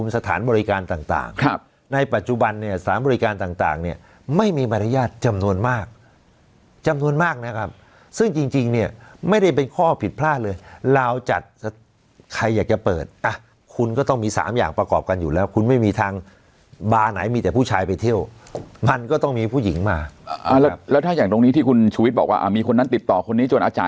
สถานบริการต่างในปัจจุบันเนี่ยสถานบริการต่างเนี่ยไม่มีมารยาทจำนวนมากจำนวนมากนะครับซึ่งจริงเนี่ยไม่ได้เป็นข้อผิดพลาดเลยลาวจัดใครอยากจะเปิดอ่ะคุณก็ต้องมี๓อย่างประกอบกันอยู่แล้วคุณไม่มีทางบาร์ไหนมีแต่ผู้ชายไปเที่ยวมันก็ต้องมีผู้หญิงมาแล้วถ้าอย่างตรงนี้ที่คุณชูวิทย์บอกว่ามีคนนั้นติดต่อคนนี้จนอาจา